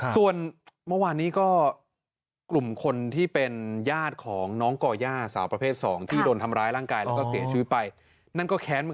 ส่วน